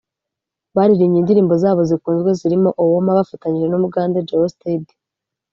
baririmbye indirimbo zabo zikunzwe zirimo ‘Owooma bafatanyije n’umugande GeoSteady’